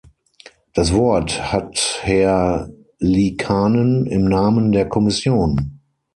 Das Wort hat Herr Liikanen im Namen der Kommission.